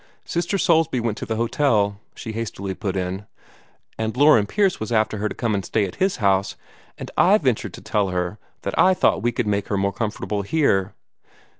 "Sister Soulsby went to the hotel," she hastily put in; "and Loren Pierce was after her to come and stay at his house, and I ventured to tell her that I thought we could make her more comfortable here."